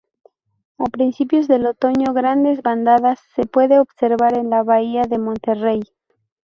A principios del otoño grandes bandadas se puede observar en la bahía de Monterey.